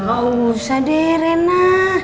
oh usah deh reina